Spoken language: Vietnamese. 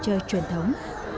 đồ chơi truyền thống